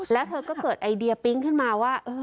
แล้วเธอก็เกิดไอเดียปิ๊งขึ้นมาว่า